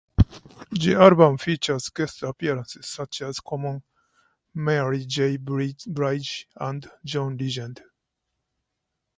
The album features guest appearances such as Common, Mary J. Blige and John Legend.